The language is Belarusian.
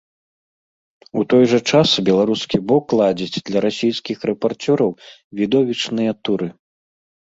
У той жа час беларускі бок ладзіць для расійскіх рэпарцёраў відовішчныя туры.